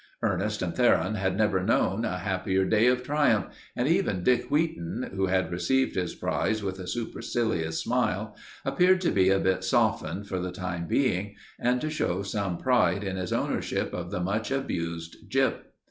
Ernest and Theron had never known a happier day of triumph, and even Dick Wheaton, who had received his prize with a supercilious smile, appeared to be a bit softened for the time being and to show some pride in his ownership of the much abused Gyp.